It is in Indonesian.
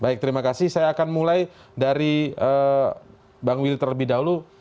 baik terima kasih saya akan mulai dari bang will terlebih dahulu